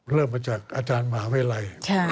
เริ่มมาจากอาจารย์หมาเวลัย